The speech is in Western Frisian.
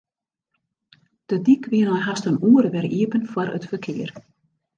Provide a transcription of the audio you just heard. De dyk wie nei hast in oere wer iepen foar it ferkear.